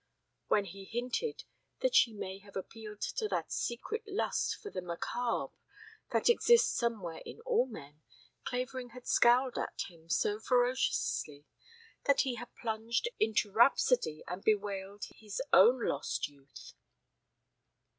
When he hinted that she may have appealed to that secret lust for the macabre that exists somewhere in all men, Clavering had scowled at him so ferociously that he had plunged into rhapsody and bewailed his own lost youth.